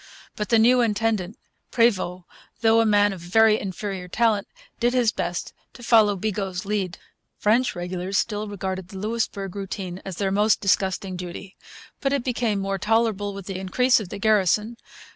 But the new intendant, Prevost, though a man of very inferior talent, did his best to follow Bigot's lead. French regulars still regarded the Louisbourg routine as their most disgusting duty. But it became more tolerable with the increase of the garrison.